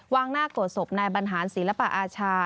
วางหน้ากดศพในบรรหารศิลปอาชา